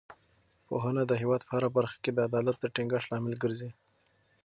پوهنه د هېواد په هره برخه کې د عدالت د ټینګښت لامل ګرځي.